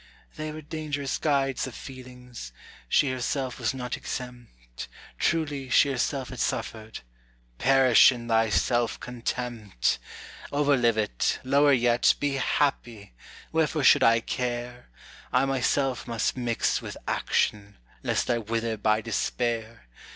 "They were dangerous guides, the feelings she herself was not exempt Truly, she herself had suffered" Perish in thy self contempt! Overlive it lower yet be happy! wherefore should I care? I myself must mix with action, lest I wither by despair.